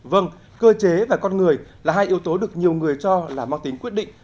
vâng cơ chế và con người là hai yếu tố được nhiều người cho là mang tính quyết định